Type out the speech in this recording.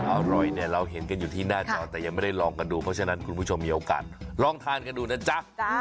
อร่อยเนี่ยเราเห็นกันอยู่ที่หน้าจอแต่ยังไม่ได้ลองกันดูเพราะฉะนั้นคุณผู้ชมมีโอกาสลองทานกันดูนะจ๊ะ